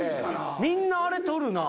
みんなあれ取るな。